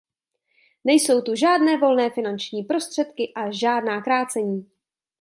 Nejsou tu žádné volné finanční prostředky a žádná krácení.